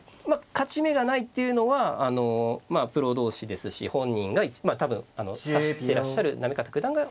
勝ち目がないっていうのはまあプロ同士ですし本人が多分指してらっしゃる行方九段が一番。